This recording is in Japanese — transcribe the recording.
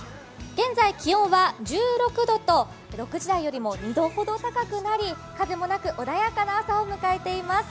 現在気温は１６度と６時台より２度ほど高くなり風もなく穏やかな朝を迎えています。